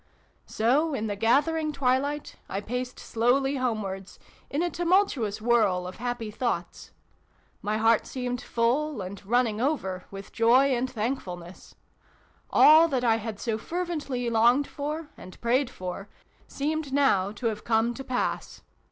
So, in the gathering twilight, I paced slowly homewards, in a tumultuous whirl of happy thoughts : my heart seemed full, and running over, with joy and thankfulness : all that I had so fervently longed for, and prayed for, seemed now to have come to pass.